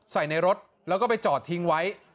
ในรถแล้วก็ไปจอดทิ้งไว้